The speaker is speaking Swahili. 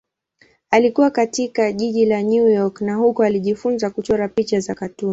Alikua katika jiji la New York na huko alijifunza kuchora picha za katuni.